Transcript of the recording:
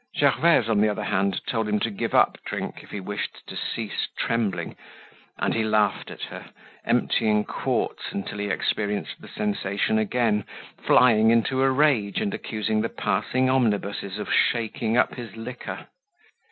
Gervaise, on the other hand, told him to give up drink if he wished to cease trembling, and he laughed at her, emptying quarts until he experienced the sensation again, flying into a rage and accusing the passing omnibuses of shaking up his liquor.